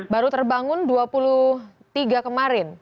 baru terbangun dua puluh tiga kemarin